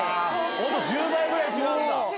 ほぼ１０倍ぐらい違うんだ。